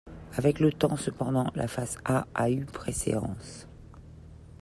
Avec le temps cependant, la face A a eu préséance.